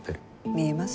見えます？